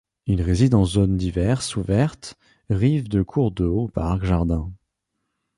Il réside en zones diverses ouvertes, rives de cours d'eau, parcs, jardins.